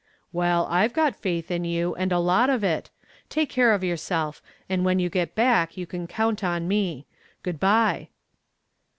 "Well, I've got faith in you, and a lot of it. Take care of yourself, and when you get back you can count on me. Good bye."